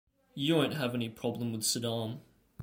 You won't have any problem with Saddam.